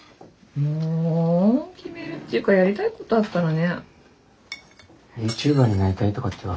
もう決めるっていうかやりたいことあったらね。